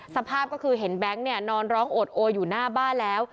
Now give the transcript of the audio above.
สภาพก็คือเห็นแบงค์เนี่ยนอนร้องโอดโออยู่หน้าบ้านแล้ว